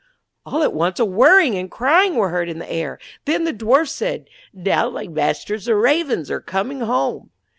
All at once a whirring and crying were heard in the air; then the Dwarf said: 'Now my masters the Ravens are coming home.'